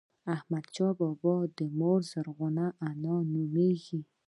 د احمدشاه بابا مور زرغونه انا نوميږي.